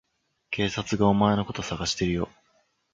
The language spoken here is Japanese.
警察がお前のこと捜してるよ。